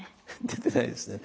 出てないですね。